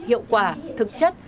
hiệu quả thực chất